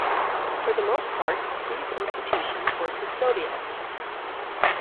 For the most part, these institutions were custodial.